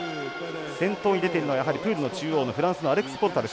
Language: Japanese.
先頭に出ているのは、やはりプールの中央のフランスのアレクス・ポルタル。